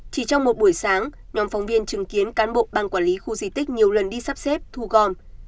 chỉ trong một buổi sáng nhóm phóng viên chứng kiến cán bộ ban quản lý khu di tích nhiều lần đi sắp xếp thu gom